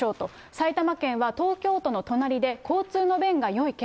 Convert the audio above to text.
埼玉県は東京都の隣で、交通の便がよい県。